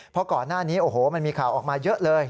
เพราะก่อนหน้านี้โอ้โหมันมีข่าวออกมาเยอะเลย